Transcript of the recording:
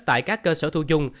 tại các cơ sở thu dung